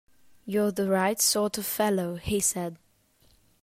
“You’re the right sort of fellow,” he said.